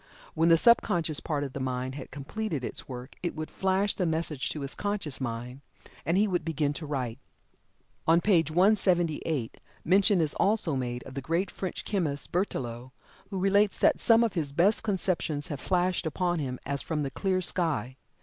When the subconscious part of the mind had completed its work, it would flash the message to his conscious mind, and he would begin to write. On page 178 mention is also made of the great French chemist Berthelot, who relates that some of his best conceptions have flashed upon him as from the clear sky.